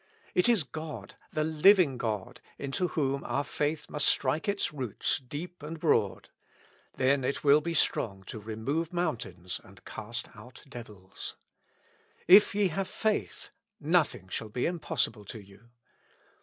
It is God, the living God, into whom our faith must strike its roots deep and broad ; then it will be strong to remove mountains and cast out devils. " If ye have faith, nothing shall be impossible to you."